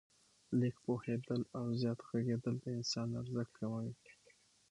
لږ پوهېدل او زیات ږغېدل د انسان ارزښت کموي.